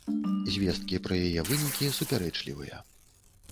Звесткі пра яе вынікі супярэчлівыя.